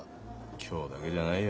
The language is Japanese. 今日だけじゃないよ。